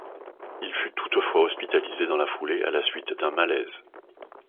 Il fut toutefois hospitalisé dans la foulée à la suite d'un malaise.